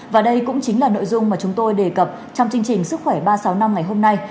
và đây cũng chính là nội dung mà chúng tôi đề cập trong chương trình sức khỏe ba trăm sáu mươi năm ngày hôm nay